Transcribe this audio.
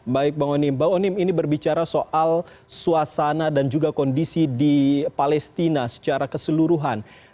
baik bang onim bang onim ini berbicara soal suasana dan juga kondisi di palestina secara keseluruhan